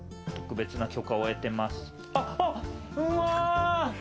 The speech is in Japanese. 特別な許可を得てます。